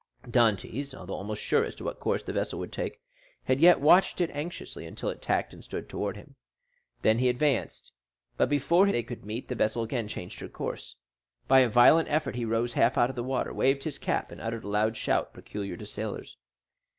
Dantès, though almost sure as to what course the vessel would take, had yet watched it anxiously until it tacked and stood towards him. Then he advanced; but before they could meet, the vessel again changed her course. By a violent effort he rose half out of the water, waving his cap, and uttering a loud shout peculiar to sailors.